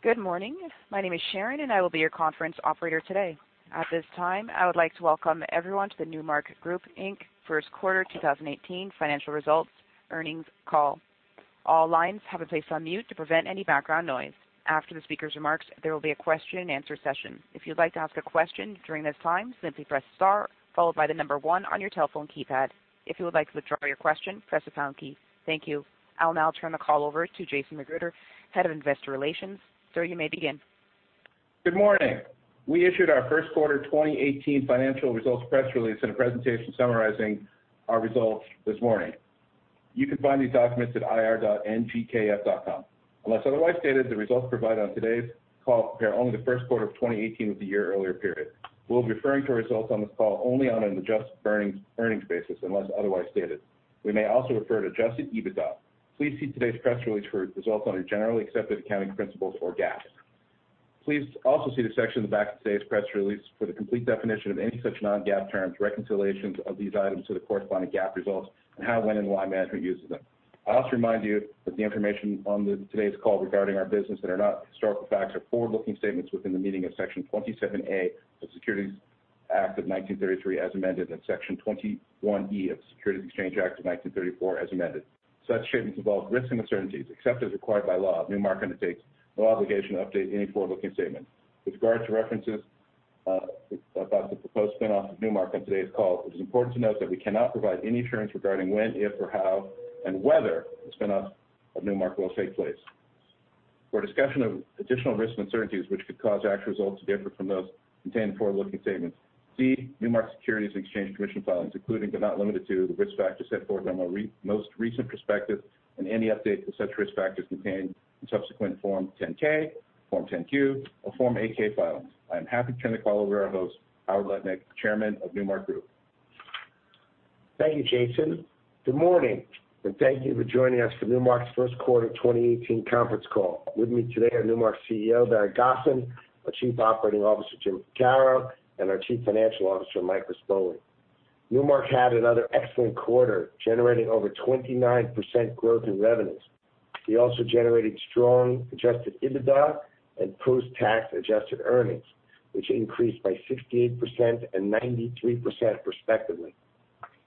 Good morning. My name is Sharon, and I will be your conference operator today. At this time, I would like to welcome everyone to the Newmark Group Inc. First Quarter 2018 Financial Results Earnings Call. All lines have been placed on mute to prevent any background noise. After the speaker's remarks, there will be a question and answer session. If you would like to ask a question during this time, simply press star followed by the number one on your telephone keypad. If you would like to withdraw your question, press the pound key. Thank you. I'll now turn the call over to Jason McGruder, Head of Investor Relations. Sir, you may begin. Good morning. We issued our first quarter 2018 financial results press release and a presentation summarizing our results this morning. You can find these documents at ir.nmrk.com. Unless otherwise stated, the results provided on today's call compare only the first quarter of 2018 with the year earlier period. We'll be referring to results on this call only on an adjusted earnings basis, unless otherwise stated. We may also refer to adjusted EBITDA. Please see today's press release for results under generally accepted accounting principles or GAAP. Please also see the section at the back of today's press release for the complete definition of any such non-GAAP terms, reconciliations of these items to the corresponding GAAP results, and how, when, and why management uses them. I also remind you that the information on today's call regarding our business that are not historical facts are forward-looking statements within the meaning of Section 27A of the Securities Act of 1933 as amended, and Section 21E of the Securities Exchange Act of 1934 as amended. Such statements involve risks and uncertainties. Except as required by law, Newmark undertakes no obligation to update any forward-looking statement. With regard to references about the proposed spin-off of Newmark on today's call, it is important to note that we cannot provide any assurance regarding when, if or how, and whether the spin-off of Newmark will take place. For a discussion of additional risks and uncertainties which could cause actual results to differ from those contained in forward-looking statements, see Newmark Securities and Exchange Commission filings, including but not limited to the risk factors set forth in our most recent prospective and any updates to such risk factors contained in subsequent Form 10-K, Form 10-Q, or Form 8-K filings. I am happy to turn the call over to our host, Howard Lutnick, Chairman of Newmark Group. Thank you, Jason. Good morning, and thank you for joining us for Newmark's first quarter 2018 conference call. With me today are Newmark's CEO, Barry Gosin, our Chief Operating Officer, James Ficarro, and our Chief Financial Officer, Michael Rispoli. Newmark had another excellent quarter, generating over 29% growth in revenues. We also generated strong adjusted EBITDA and post-tax adjusted earnings, which increased by 68% and 93% respectively.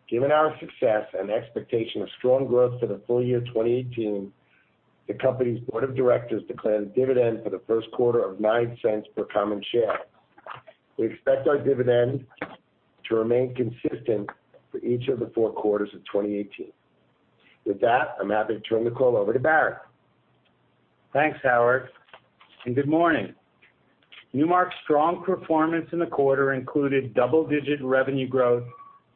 Given our success and expectation of strong growth for the full year 2018, the company's board of directors declared a dividend for the first quarter of $0.09 per common share. We expect our dividend to remain consistent for each of the four quarters of 2018. With that, I'm happy to turn the call over to Barry. Thanks, Howard, and good morning. Newmark's strong performance in the quarter included double-digit revenue growth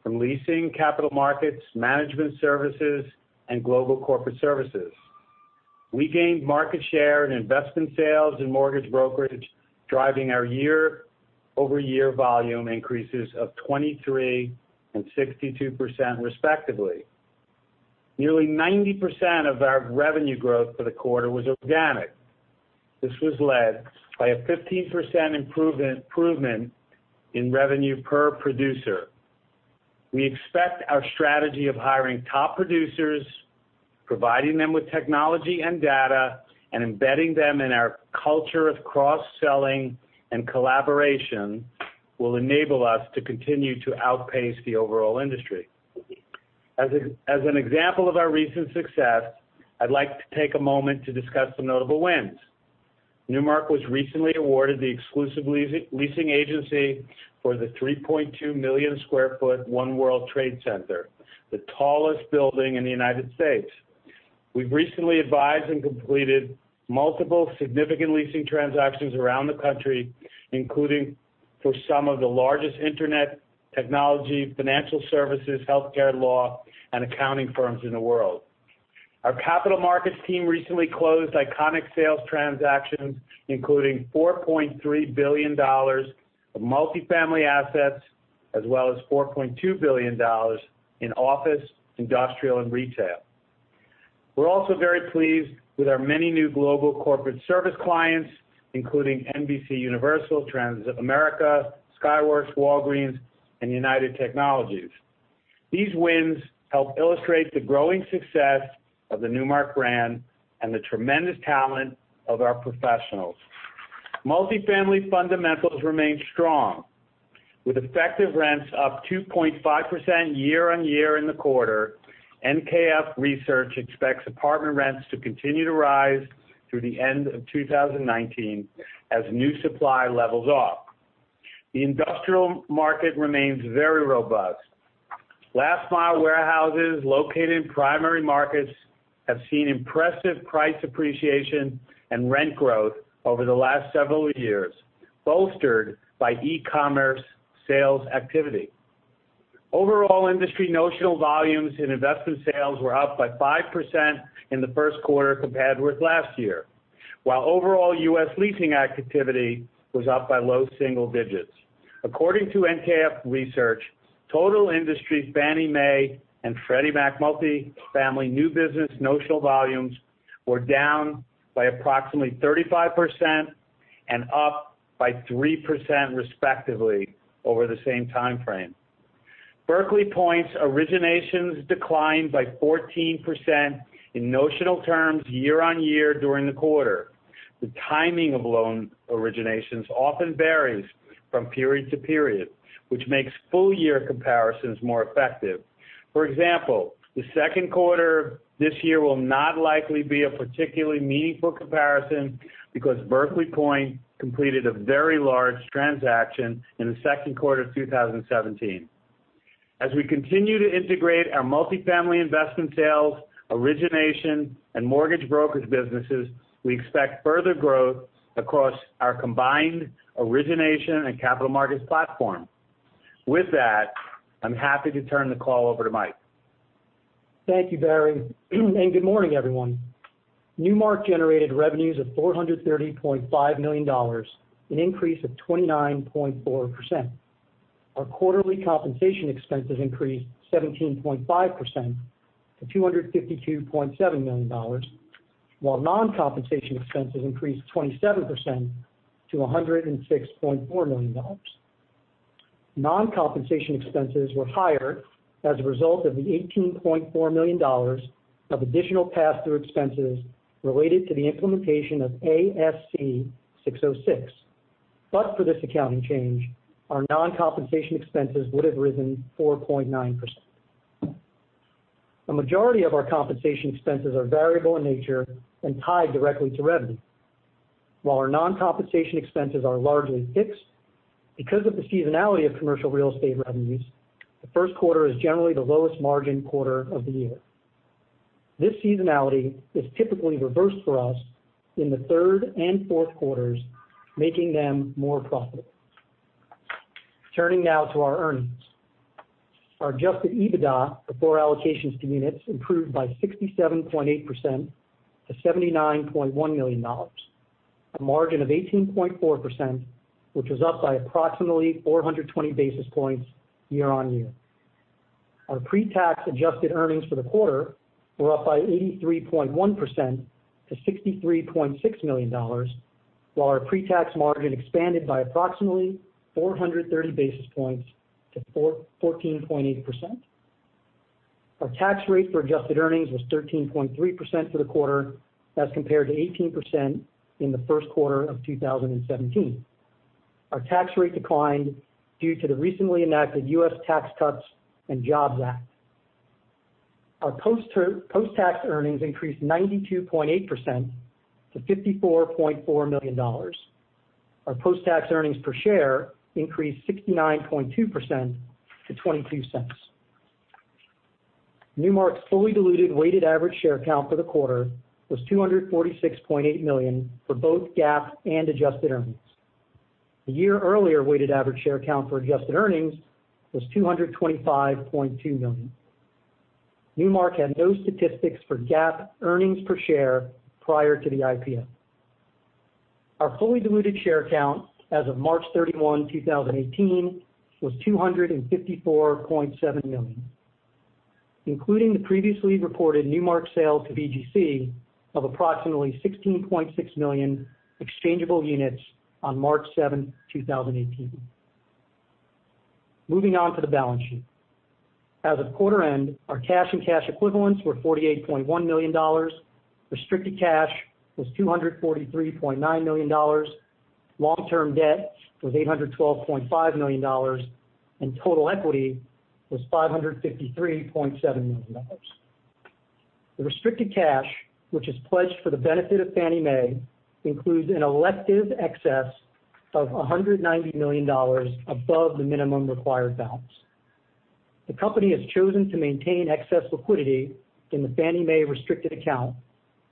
from leasing, capital markets, management services, and global corporate services. We gained market share in investment sales and mortgage brokerage, driving our year-over-year volume increases of 23% and 62% respectively. Nearly 90% of our revenue growth for the quarter was organic. This was led by a 15% improvement in revenue per producer. We expect our strategy of hiring top producers, providing them with technology and data, and embedding them in our culture of cross-selling and collaboration will enable us to continue to outpace the overall industry. As an example of our recent success, I'd like to take a moment to discuss some notable wins. Newmark was recently awarded the exclusive leasing agency for the 3.2 million sq ft One World Trade Center, the tallest building in the U.S. We've recently advised and completed multiple significant leasing transactions around the country, including for some of the largest internet, technology, financial services, healthcare, law, and accounting firms in the world. Our capital markets team recently closed iconic sales transactions, including $4.3 billion of multifamily assets, as well as $4.2 billion in office, industrial, and retail. We're also very pleased with our many new global corporate service clients, including NBCUniversal, Transamerica, Skyworks, Walgreens, and United Technologies. These wins help illustrate the growing success of the Newmark brand and the tremendous talent of our professionals. Multifamily fundamentals remain strong. With effective rents up 2.5% year-on-year in the quarter, NKF Research expects apartment rents to continue to rise through the end of 2019 as new supply levels off. The industrial market remains very robust. Last mile warehouses located in primary markets have seen impressive price appreciation and rent growth over the last several years, bolstered by e-commerce sales activity. Overall industry notional volumes in investment sales were up by 5% in the first quarter compared with last year, while overall U.S. leasing activity was up by low single digits. According to NKF Research, total industry Fannie Mae and Freddie Mac multifamily new business notional volumes were down by approximately 35% and up by 3% respectively over the same timeframe. Berkeley Point's originations declined by 14% in notional terms year-on-year during the quarter. The timing of loan originations often varies from period to period, which makes full-year comparisons more effective. For example, the second quarter this year will not likely be a particularly meaningful comparison because Berkeley Point completed a very large transaction in the second quarter of 2017. As we continue to integrate our multifamily investment sales, origination, and mortgage brokerage businesses, we expect further growth across our combined origination and capital markets platform. With that, I'm happy to turn the call over to Mike. Thank you, Barry. Good morning, everyone. Newmark generated revenues of $430.5 million, an increase of 29.4%. Our quarterly compensation expenses increased 17.5% to $252.7 million, while non-compensation expenses increased 27% to $106.4 million. Non-compensation expenses were higher as a result of the $18.4 million of additional pass-through expenses related to the implementation of ASC 606. For this accounting change, our non-compensation expenses would have risen 4.9%. A majority of our compensation expenses are variable in nature and tied directly to revenue. While our non-compensation expenses are largely fixed, because of the seasonality of commercial real estate revenues, the first quarter is generally the lowest margin quarter of the year. This seasonality is typically reversed for us in the third and fourth quarters, making them more profitable. Turning now to our earnings. Our adjusted EBITDA before allocations to units improved by 67.8% to $79.1 million, a margin of 18.4%, which was up by approximately 420 basis points year-on-year. Our pre-tax adjusted earnings for the quarter were up by 83.1% to $63.6 million, while our pre-tax margin expanded by approximately 430 basis points to 14.8%. Our tax rate for adjusted earnings was 13.3% for the quarter as compared to 18% in the first quarter of 2017. Our tax rate declined due to the recently enacted U.S. Tax Cuts and Jobs Act. Our post-tax earnings increased 92.8% to $54.4 million. Our post-tax earnings per share increased 69.2% to $0.22. Newmark's fully diluted weighted average share count for the quarter was 246.8 million for both GAAP and adjusted earnings. A year earlier, weighted average share count for adjusted earnings was 225.2 million. Newmark had no statistics for GAAP earnings per share prior to the IPO. Our fully diluted share count as of March 31, 2018, was 254.7 million, including the previously reported Newmark sale to BGC of approximately 16.6 million exchangeable units on March 7, 2018. Moving on to the balance sheet. As of quarter end, our cash and cash equivalents were $48.1 million, restricted cash was $243.9 million, long-term debt was $812.5 million, and total equity was $553.7 million. The restricted cash, which is pledged for the benefit of Fannie Mae, includes an elective excess of $190 million above the minimum required balance. The company has chosen to maintain excess liquidity in the Fannie Mae restricted account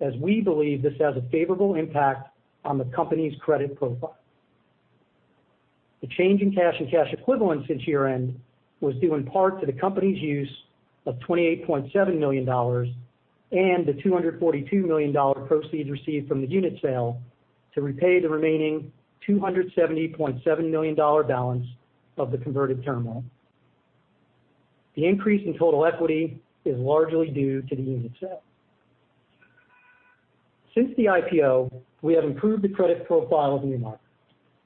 as we believe this has a favorable impact on the company's credit profile. The change in cash and cash equivalents since year-end was due in part to the company's use of $28.7 million and the $242 million proceeds received from the unit sale to repay the remaining $270.7 million balance of the converted term loan. The increase in total equity is largely due to the unit sale. Since the IPO, we have improved the credit profile of Newmark.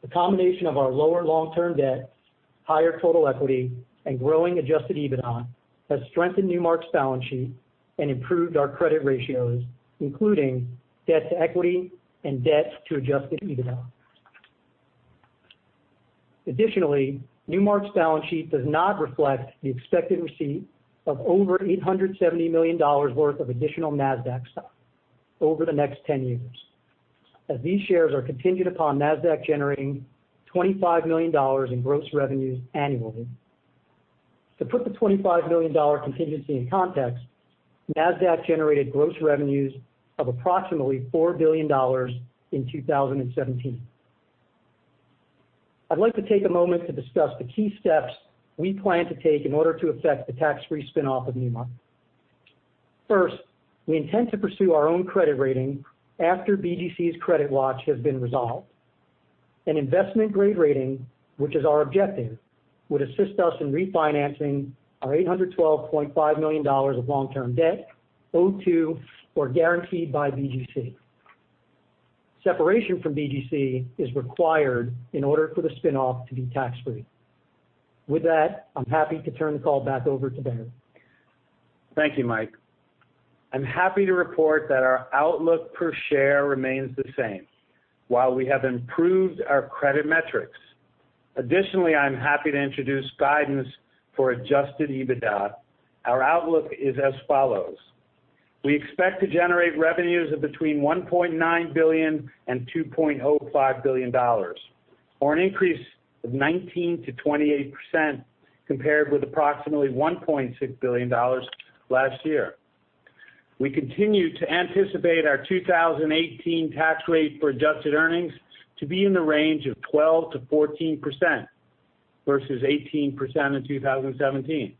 The combination of our lower long-term debt, higher total equity, and growing adjusted EBITDA has strengthened Newmark's balance sheet and improved our credit ratios, including debt-to-equity and debt-to-adjusted EBITDA. Additionally, Newmark's balance sheet does not reflect the expected receipt of over $870 million worth of additional Nasdaq stock over the next 10 years, as these shares are contingent upon Nasdaq generating $25 million in gross revenues annually. To put the $25 million contingency in context, Nasdaq generated gross revenues of approximately $4 billion in 2017. I'd like to take a moment to discuss the key steps we plan to take in order to effect the tax-free spin-off of Newmark. First, we intend to pursue our own credit rating after BGC's credit watch has been resolved. An investment-grade rating, which is our objective, would assist us in refinancing our $812.5 million of long-term debt owed to or guaranteed by BGC. Separation from BGC is required in order for the spin-off to be tax-free. With that, I'm happy to turn the call back over to Barry. Thank you, Mike. I'm happy to report that our outlook per share remains the same, while we have improved our credit metrics. Additionally, I'm happy to introduce guidance for adjusted EBITDA. Our outlook is as follows. We expect to generate revenues of between $1.9 billion and $2.05 billion, or an increase of 19%-28% compared with approximately $1.6 billion last year. We continue to anticipate our 2018 tax rate for adjusted earnings to be in the range of 12%-14%, versus 18% in 2017.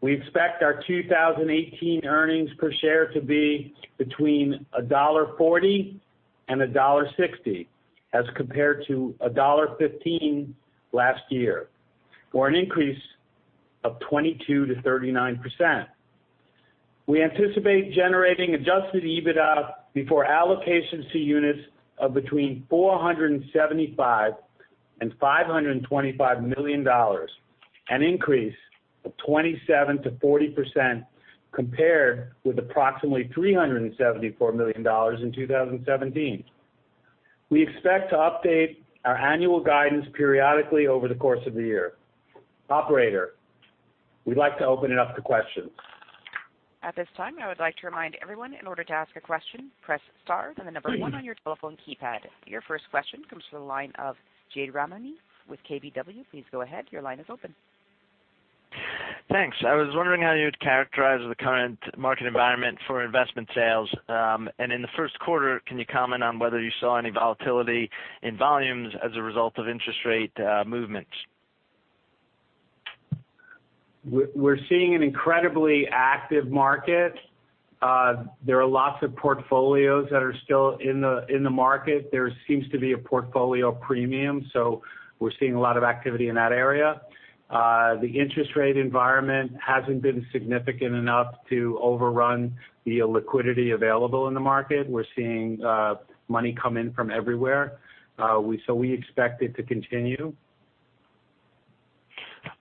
We expect our 2018 earnings per share to be between $1.40 and $1.60, as compared to $1.15 last year, or an increase of 22%-39%. We anticipate generating adjusted EBITDA before allocations to units of between $475 million and $525 million, an increase of 27%-40% compared with approximately $374 million in 2017. We expect to update our annual guidance periodically over the course of the year. Operator, we'd like to open it up to questions. At this time, I would like to remind everyone, in order to ask a question, press star then the number one on your telephone keypad. Your first question comes from the line of Jade Rahmani with KBW. Please go ahead. Your line is open. Thanks. I was wondering how you would characterize the current market environment for investment sales. In the first quarter, can you comment on whether you saw any volatility in volumes as a result of interest rate movements? We're seeing an incredibly active market. There are lots of portfolios that are still in the market. There seems to be a portfolio premium, we're seeing a lot of activity in that area. The interest rate environment hasn't been significant enough to overrun the liquidity available in the market. We're seeing money come in from everywhere. We expect it to continue.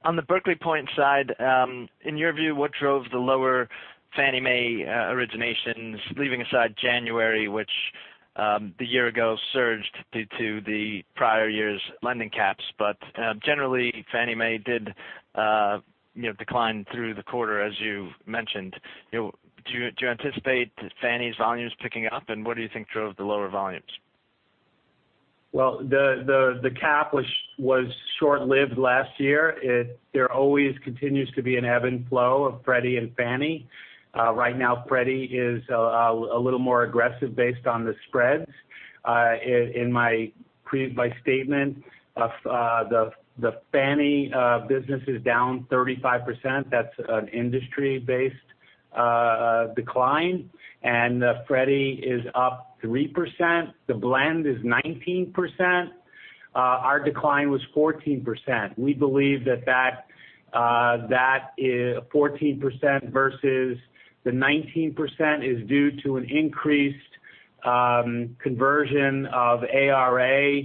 On the Berkeley Point side, in your view, what drove the lower Fannie Mae originations, leaving aside January, which the year ago surged due to the prior year's lending caps. Generally, Fannie Mae did decline through the quarter, as you mentioned. Do you anticipate Fannie's volumes picking up, and what do you think drove the lower volumes? Well, the cap was short-lived last year. There always continues to be an ebb and flow of Freddie and Fannie. Right now, Freddie is a little more aggressive based on the spreads. In my statement, the Fannie business is down 35%. That's an industry-based decline, and Freddie is up 3%. The blend is 19%. Our decline was 14%. We believe that 14% versus the 19% is due to an increased conversion of ARA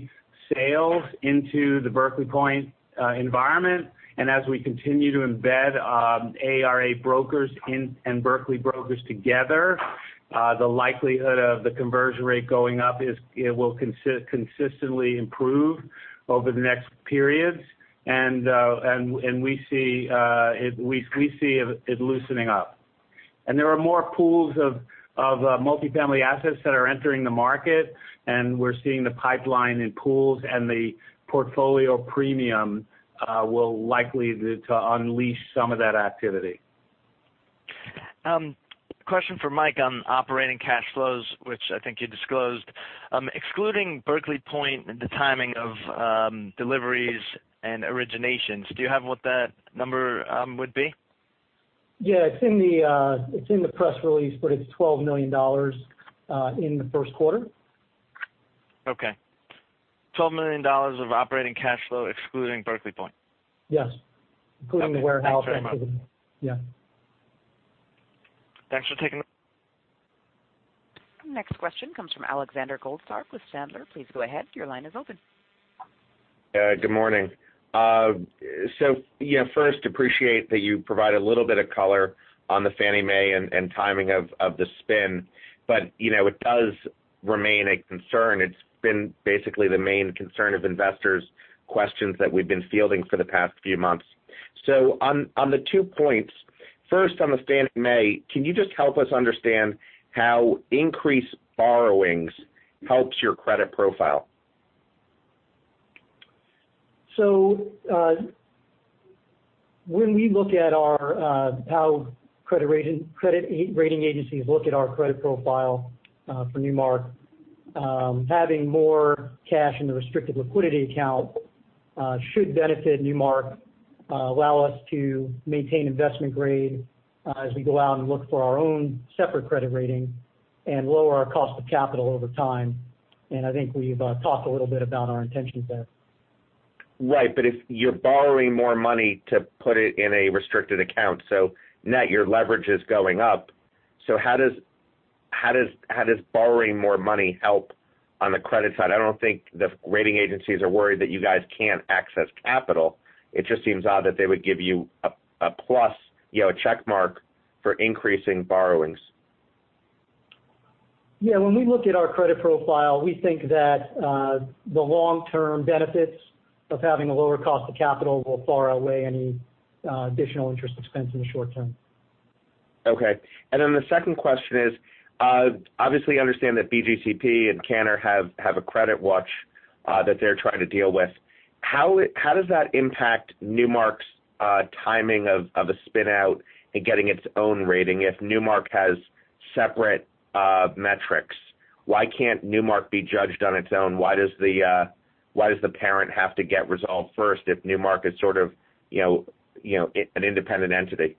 sales into the Berkeley Point environment. As we continue to embed ARA brokers and Berkeley Point brokers together, the likelihood of the conversion rate going up will consistently improve over the next periods. We see it loosening up. There are more pools of multi-family assets that are entering the market, and we're seeing the pipeline in pools and the portfolio premium will likely to unleash some of that activity. Question for Mike on operating cash flows, which I think you disclosed. Excluding Berkeley Point and the timing of deliveries and originations, do you have what that number would be? Yeah. It's in the press release, but it's $12 million in the first quarter. Okay. $12 million of operating cash flow excluding Berkeley Point? Yes. Including warehouse activity. Okay. Thanks very much. Yeah. Thanks for taking the- Next question comes from Alexander Goldfarb with Sandler. Please go ahead. Your line is open. Good morning. First, appreciate that you provide a little bit of color on the Fannie Mae and timing of the spin. It does remain a concern. It's been basically the main concern of investors' questions that we've been fielding for the past few months. On the two points, first on the Fannie Mae, can you just help us understand how increased borrowings helps your credit profile? When we look at how credit rating agencies look at our credit profile for Newmark, having more cash in the restricted liquidity account should benefit Newmark, allow us to maintain investment grade as we go out and look for our own separate credit rating and lower our cost of capital over time. I think we've talked a little bit about our intentions there. Right. If you're borrowing more money to put it in a restricted account, net your leverage is going up. How does borrowing more money help on the credit side? I don't think the rating agencies are worried that you guys can't access capital. It just seems odd that they would give you a plus, a check mark for increasing borrowings. When we look at our credit profile, we think that the long-term benefits of having a lower cost of capital will far outweigh any additional interest expense in the short term. Okay. The second question is, obviously understand that BGCP and Cantor have a credit watch that they're trying to deal with. How does that impact Newmark's timing of a spin-out and getting its own rating if Newmark has separate metrics? Why can't Newmark be judged on its own? Why does the parent have to get resolved first if Newmark is sort of an independent entity?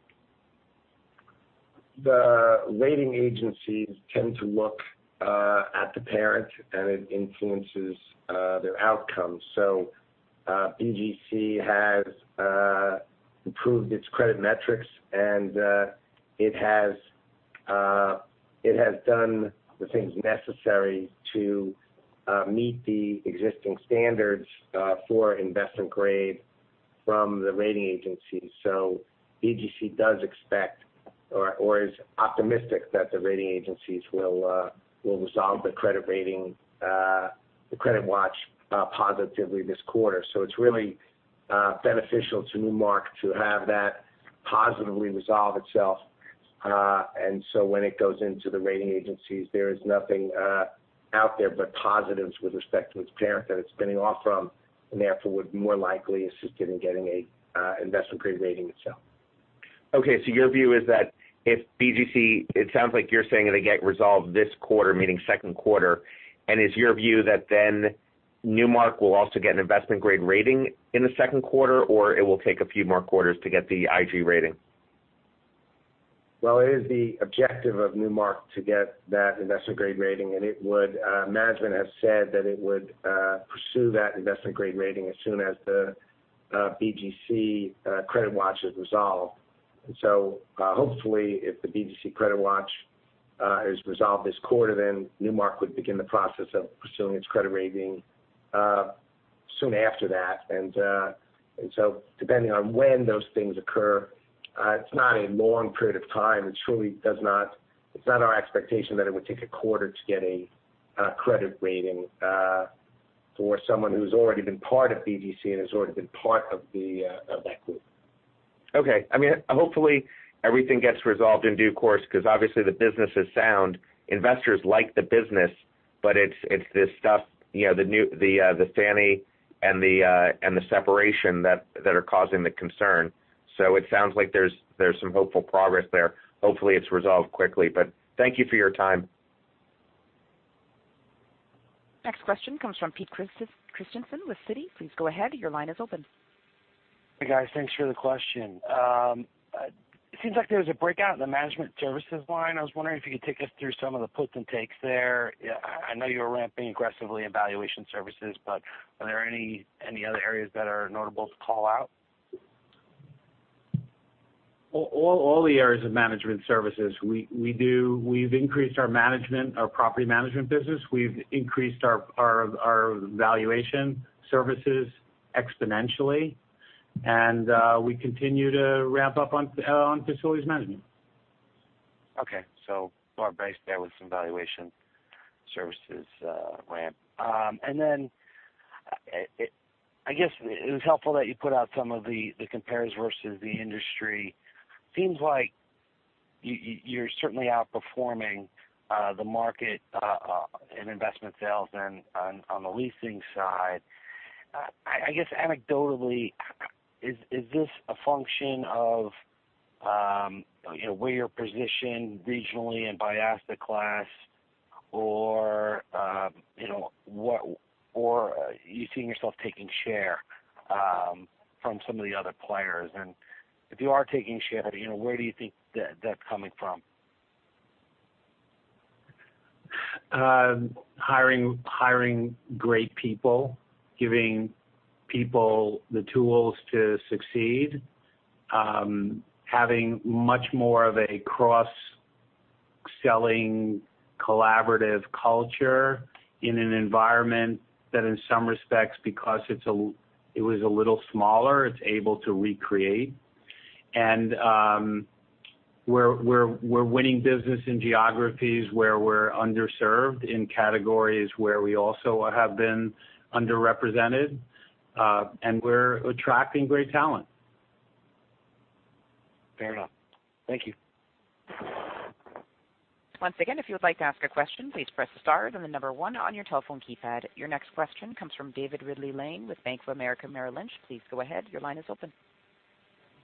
The rating agencies tend to look at the parent, and it influences their outcomes. BGC has improved its credit metrics, and it has done the things necessary to meet the existing standards for investment grade from the rating agencies. BGC does expect or is optimistic that the rating agencies will resolve the credit watch positively this quarter. It's really beneficial to Newmark to have that positively resolve itself. When it goes into the rating agencies, there is nothing out there but positives with respect to its parent that it's spinning off from, and therefore would more likely assist it in getting a investment-grade rating itself. Okay. Your view is that if BGC It sounds like you're saying they get resolved this quarter, meaning second quarter. Is your view that then Newmark will also get an investment-grade rating in the second quarter, or it will take a few more quarters to get the IG rating? Well, it is the objective of Newmark to get that investment-grade rating, and management has said that it would pursue that investment-grade rating as soon as the BGC credit watch is resolved. Hopefully, if the BGC credit watch is resolved this quarter, then Newmark would begin the process of pursuing its credit rating soon after that. Depending on when those things occur, it's not a long period of time. It's not our expectation that it would take a quarter to get a credit rating for someone who's already been part of BGC and has already been part of that group. Okay. Hopefully, everything gets resolved in due course because obviously the business is sound. Investors like the business, but it's the Fannie Mae and the separation that are causing the concern. It sounds like there's some hopeful progress there. Hopefully, it's resolved quickly. Thank you for your time. Next question comes from Pete Christensen with Citi. Please go ahead. Your line is open. Hey, guys. Thanks for the question. It seems like there was a breakout in the management services line. I was wondering if you could take us through some of the puts and takes there. I know you were ramping aggressively in valuation services, but are there any other areas that are notable to call out? All the areas of management services. We've increased our property management business. We've increased our valuation services exponentially, and we continue to ramp up on facilities management. Our base there was some valuation services ramp. I guess it was helpful that you put out some of the compares versus the industry. Seems like you're certainly outperforming the market in investment sales and on the leasing side. I guess anecdotally, is this a function of where you're positioned regionally and by asset class, or are you seeing yourself taking share from some of the other players? If you are taking share, where do you think that's coming from? Hiring great people, giving people the tools to succeed, having much more of a cross-selling collaborative culture in an environment that in some respects, because it was a little smaller, it's able to recreate. We're winning business in geographies where we're underserved, in categories where we also have been underrepresented, and we're attracting great talent. Fair enough. Thank you. Once again, if you would like to ask a question, please press star, then the number 1 on your telephone keypad. Your next question comes from David Ridley-Lane with Bank of America Merrill Lynch. Please go ahead. Your line is open.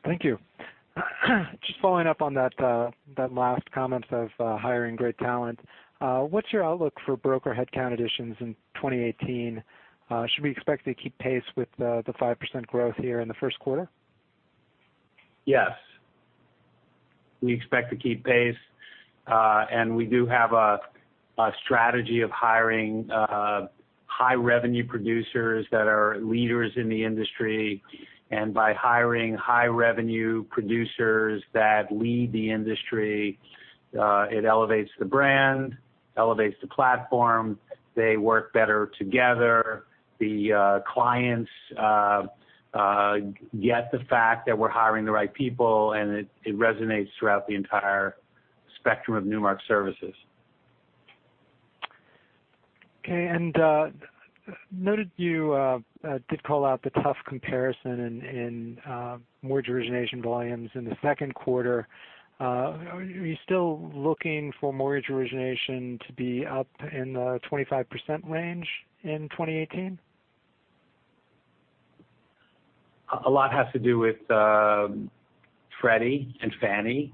Thank you. Just following up on that last comment of hiring great talent. What's your outlook for broker headcount additions in 2018? Should we expect to keep pace with the 5% growth here in the first quarter? Yes. We expect to keep pace. We do have a strategy of hiring high-revenue producers that are leaders in the industry. By hiring high-revenue producers that lead the industry, it elevates the brand, elevates the platform. They work better together. The clients get the fact that we're hiring the right people, and it resonates throughout the entire spectrum of Newmark services. Okay. Noted you did call out the tough comparison in mortgage origination volumes in the second quarter. Are you still looking for mortgage origination to be up in the 25% range in 2018? A lot has to do with Freddie and Fannie.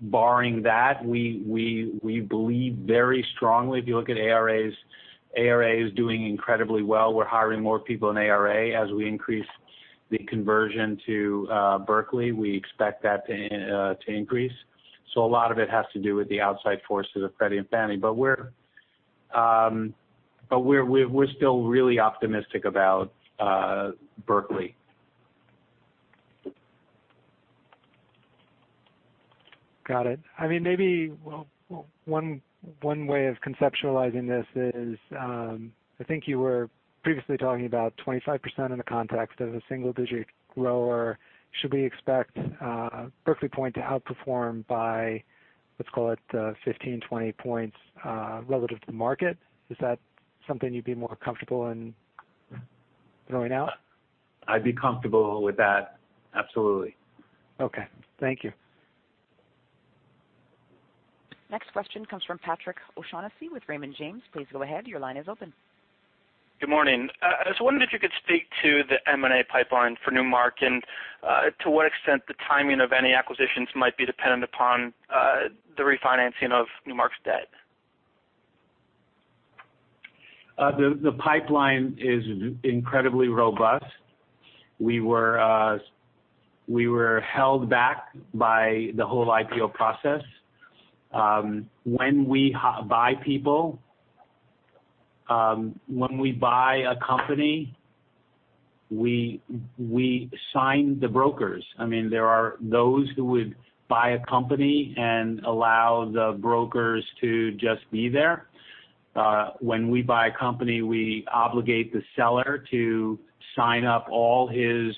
Barring that, we believe very strongly, if you look at ARAs, ARA is doing incredibly well. We're hiring more people in ARA as we increase the conversion to Berkeley. We expect that to increase. A lot of it has to do with the outside forces of Freddie and Fannie. We're still really optimistic about Berkeley. Got it. Maybe one way of conceptualizing this is, I think you were previously talking about 25% in the context of a single-digit grower. Should we expect Berkeley Point to outperform by, let's call it, 15, 20 points, relative to the market? Is that something you'd be more comfortable in throwing out? I'd be comfortable with that. Absolutely. Okay. Thank you. Next question comes from Patrick O'Shaughnessy with Raymond James. Please go ahead. Your line is open. Good morning. I was wondering if you could speak to the M&A pipeline for Newmark, and to what extent the timing of any acquisitions might be dependent upon the refinancing of Newmark's debt. The pipeline is incredibly robust. We were held back by the whole IPO process. When we buy people, when we buy a company, we sign the brokers. There are those who would buy a company and allow the brokers to just be there. When we buy a company, we obligate the seller to sign up all his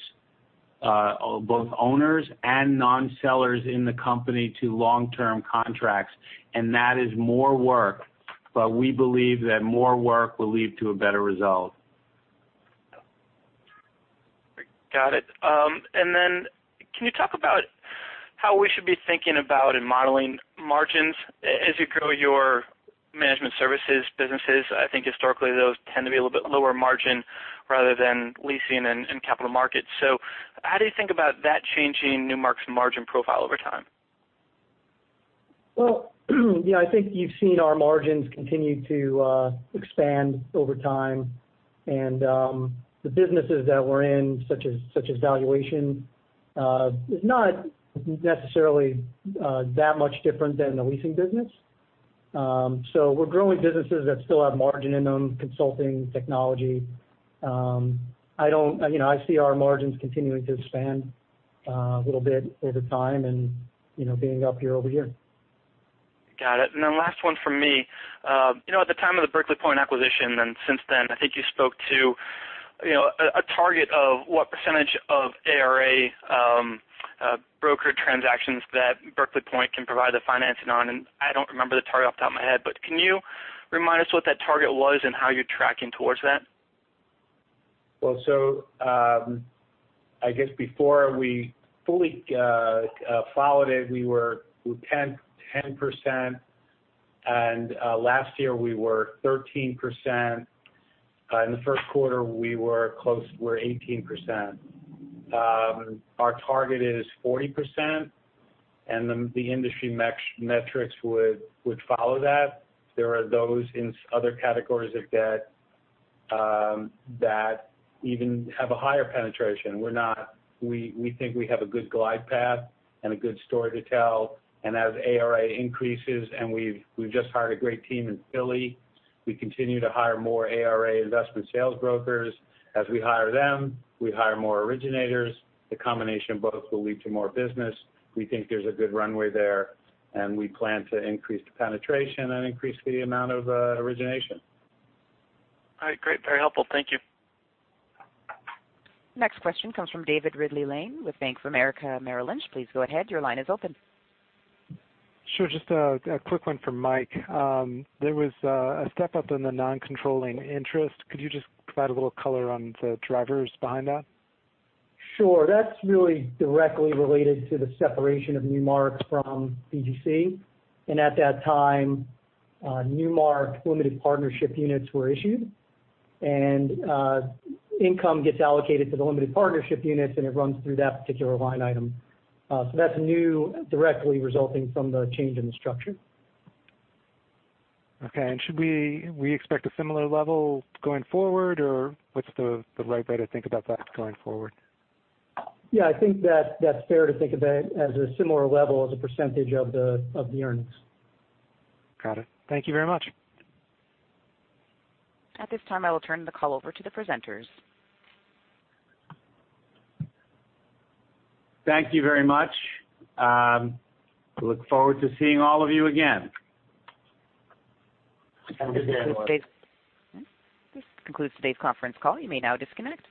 both owners and non-sellers in the company to long-term contracts. That is more work, but we believe that more work will lead to a better result. Got it. Can you talk about how we should be thinking about and modeling margins as you grow your management services businesses? I think historically, those tend to be a little bit lower margin rather than leasing and capital markets. How do you think about that changing Newmark's margin profile over time? Well, yeah, I think you've seen our margins continue to expand over time, and the businesses that we're in, such as valuation, is not necessarily that much different than the leasing business. We're growing businesses that still have margin in them, consulting, technology. I see our margins continuing to expand a little bit over time and being up year-over-year. Got it. Last one from me. At the time of the Berkeley Point acquisition and since then, I think you spoke to a target of what percentage of ARA brokered transactions that Berkeley Point can provide the financing on, and I don't remember the target off the top of my head, but can you remind us what that target was and how you're tracking towards that? I guess before we fully followed it, we were 10%. Last year we were 13%. In the first quarter, we were 18%. Our target is 40%. The industry metrics would follow that. There are those in other categories of debt that even have a higher penetration. We think we have a good glide path and a good story to tell, and as ARA increases, and we've just hired a great team in Philly. We continue to hire more ARA investment sales brokers. As we hire them, we hire more originators. The combination of both will lead to more business. We think there's a good runway there, and we plan to increase the penetration and increase the amount of origination. All right. Great. Very helpful. Thank you. Next question comes from David Ridley-Lane with Bank of America Merrill Lynch. Please go ahead. Your line is open. Sure, just a quick one for Michael. There was a step-up in the non-controlling interest. Could you just provide a little color on the drivers behind that? Sure. That's really directly related to the separation of Newmark from BGC. At that time, Newmark limited partnership units were issued, and income gets allocated to the limited partnership units, and it runs through that particular line item. That's new, directly resulting from the change in the structure. Okay. Should we expect a similar level going forward, or what's the right way to think about that going forward? Yeah, I think that's fair to think of that as a similar level as a percentage of the earnings. Got it. Thank you very much. At this time, I will turn the call over to the presenters. Thank you very much. Look forward to seeing all of you again. Have a good day, everyone. This concludes today's conference call. You may now disconnect.